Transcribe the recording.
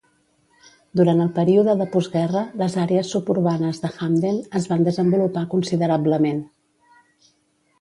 Durant el període de postguerra, les àrees suburbanes de Hamden es van desenvolupar considerablement.